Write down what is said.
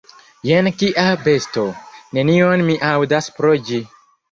Jen kia besto: nenion mi aŭdas pro ĝi!